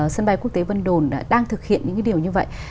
sân bay quốc tế vân đồn đang thực hiện những điều như vậy